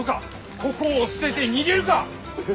ここを捨てて逃げるか。